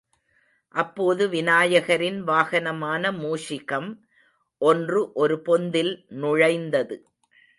அப்போது விநாயகரின் வாகனமான மூஷிகம் ஒன்று ஒரு பொந்தில் நுழைந்தது.